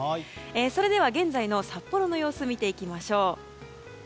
それでは現在の札幌の様子見ていきましょう。